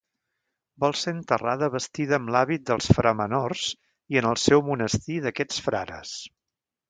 Vol ser enterrada vestida amb l’hàbit dels framenors i en el seu monestir d’aquests frares.